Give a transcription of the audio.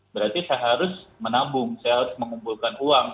berarti saya harus menabung saya harus mengumpulkan uang